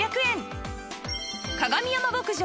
鏡山牧場